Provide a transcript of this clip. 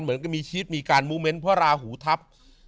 เหมือนกับมีชีวิตมีการมูเมนต์เพราะราหูทัพ